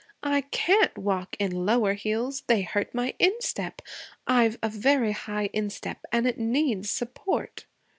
'I can't walk in lower heels. They hurt my instep. I've a very high instep and it needs support.'